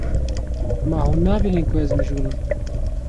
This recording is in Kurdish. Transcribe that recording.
Ma hûn nabînin ku ez mijûl im?